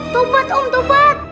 taufat om taufat